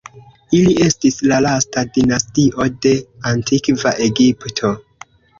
Ili estis la lasta dinastio de Antikva Egipto.